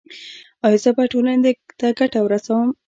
ایا زه به ټولنې ته ګټه ورسوم؟